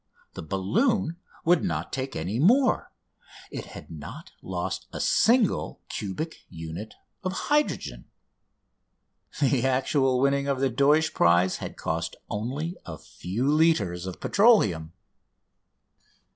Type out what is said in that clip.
The balloon would not take any more! It had not lost a single cubic unit of hydrogen! The actual winning of the Deutsch prize had cost only a few litres of petroleum!